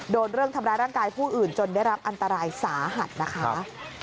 โดนเรื่องทำร้ายร่างกายผู้อื่นจนได้รับอันตรายสาหัสนะคะ